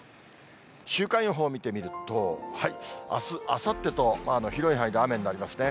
週間予報を見てみると、あす、あさってと広い範囲で雨になりますね。